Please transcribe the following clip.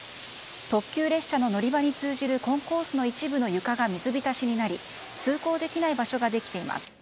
特急列車の乗り場に通じるコンコースの床の一部が水浸しになり通行できない場所ができています。